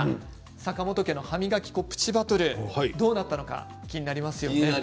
坂本家の歯磨き粉プチバトルどうなったのか気になりますよね。